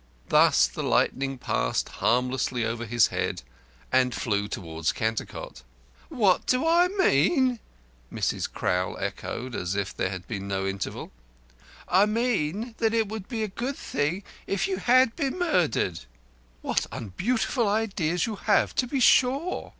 Thus the lightning passed harmlessly over his head and flew towards Cantercot. "What do I mean?" Mrs. Crowl echoed, as if there had been no interval. "I mean that it would be a good thing if you had been murdered." "What unbeautiful ideas you have to be sure!"